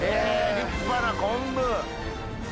立派な昆布。